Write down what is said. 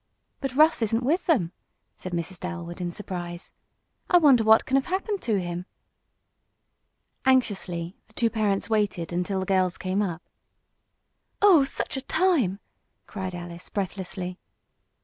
"But Russ isn't with them!" said Mrs. Dalwood, in surprise. "I wonder what can have happened to him?" Anxiously the two parents waited until the girls came up. "Oh, such a time!" cried Alice, breathlessly.